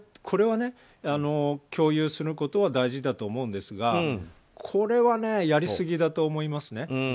これを共有することは大事だと思いますがこれはやりすぎだと思います。